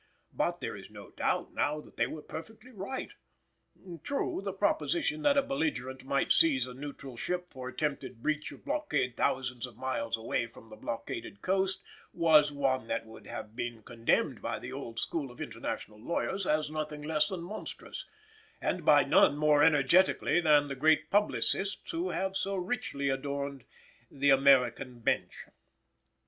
But there is no doubt now that they were perfectly right. True, the proposition that a belligerent might seize a neutral ship for attempted breach of blockade thousands of miles away from the blockaded coast was one that would have been condemned by the old school of International lawyers as nothing less than monstrous, and by none more energetically than the great publicists who have so richly adorned the American bench.